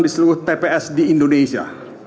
di seluruh tps di indonesia